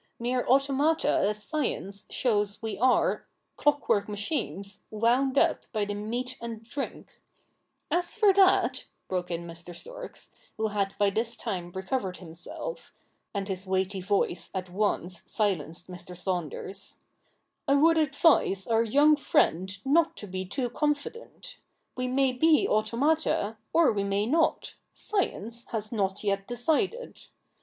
Mere automata as science shows we are — clockwork machines, wound up by meat and drink ' 'As for that,' broke in Mr. Storks, who had by this time recovered himself — and his weighty voice at once silenced Mr. Saunders, ' I would advise our young friend not to be too confident. We may be automata, or we may not. Science has not yet decided.